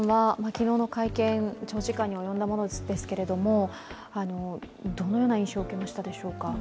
昨日の会見、長時間に及んだものですけれどもどのような印象を受けましたでしょうか？